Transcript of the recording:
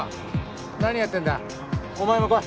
何やってんだお前も来い。